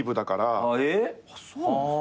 えっそうなんすか？